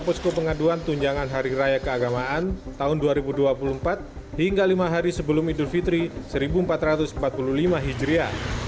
posko pengaduan tunjangan hari raya keagamaan tahun dua ribu dua puluh empat hingga lima hari sebelum idul fitri seribu empat ratus empat puluh lima hijriah